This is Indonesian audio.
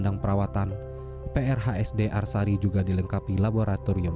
dan baru berhasil terperangkap pada sebelas januari dua ribu dua puluh dua